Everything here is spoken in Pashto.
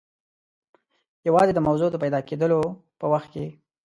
یوازې د موضوع د پیدا کېدلو په وخت کې.